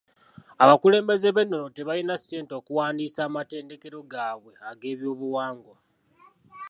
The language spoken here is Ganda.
Abakulembeze b'ennono tebalina ssente okuwandiisa amatendekero gaabwe ag'ebyobuwangwa.